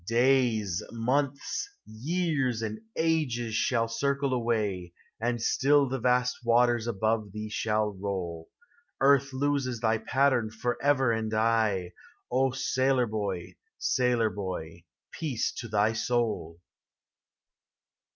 Days, months, years, and ages shall circle away, And still the vast waters above thee shall roll; Earth loses thy pattern forever and aye,— U sailor boy! Bailor boy! peace to thy soul!